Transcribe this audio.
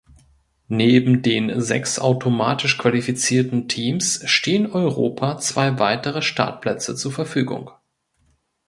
Neben den sechs automatisch qualifizierten Teams stehen Europa zwei weitere Startplätze zur Verfügung.